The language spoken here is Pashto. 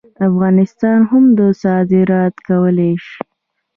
افغانان هم صادرات کولی شي.